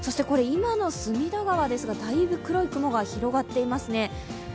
今の隅田川ですが、だいぶ黒い雲が広がっていますね。